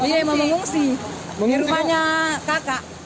di rumahnya kakak